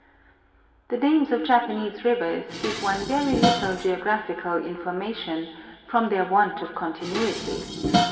The names of Japanese rivers give one very little geographical information from their want of continuity.